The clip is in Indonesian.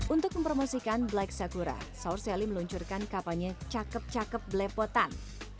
untuk mempromosikan black sakura saur seli meluncurkan kapalnya cakep cakep belepotan